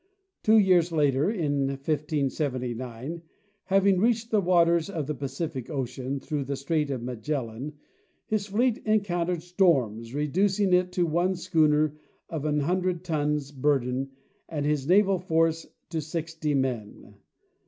Two years later Gn 1579), having reached the waters of the Pa cific ocean through the strait of Magellan, his fleet encountered storms, reducing it to one schooner of an hundred tons burden and his naval force to sixty men.